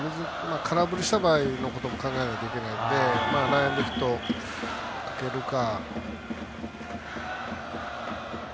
空振りした場合のことも考えないといけないのでランエンドヒットをかけるか。